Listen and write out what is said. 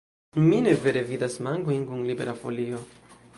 Mi ne vere vidas mankojn kun Libera Folio.